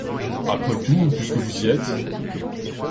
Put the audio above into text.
Après tout, puisque vous y êtes !